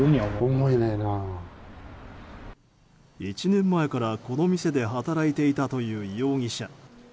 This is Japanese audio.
１年前から、この店で働いていたという容疑者。